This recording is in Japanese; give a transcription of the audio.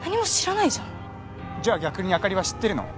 じゃあ逆に朱莉は知ってるの？